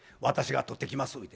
私が取ってきます」